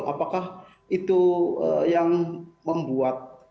apakah itu yang membuat